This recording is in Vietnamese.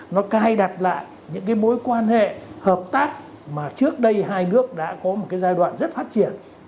nó cài đặt lại những cái mối quan hệ hợp tác mà trước đây hai nước đã có một cái giai đoạn rất phát triển